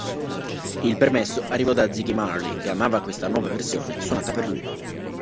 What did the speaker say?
Il permesso arrivo' da Ziggy Marley, che amava questa nuova versione suonata per lui.